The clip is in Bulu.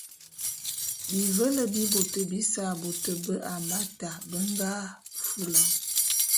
Bivele bi bôt bise a bôt bé Hamata be nga fulane.